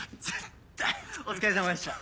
お疲れさまでした。